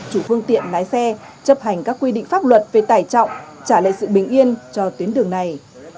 chủ phương tiện lái xe chấp hành các quy định pháp luật về tải trọng trả lại sự bình yên cho tuyến đường này